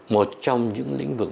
một trong những lĩnh vực